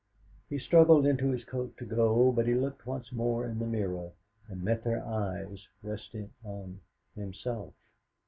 He struggled into his coat to go, but he looked once more in the mirror, and met their eyes resting on himself.